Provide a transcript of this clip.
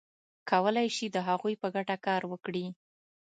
کولای شي د هغوی په ګټه کار وکړي.